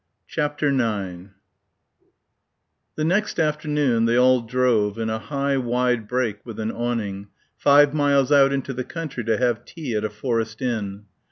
CHAPTER IX 1 The next afternoon they all drove in a high, wide brake with an awning, five miles out into the country to have tea at a forest inn.